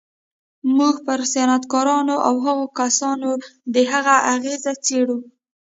موږ پر صنعتکارانو او هغو کسانو د هغه اغېز څېړو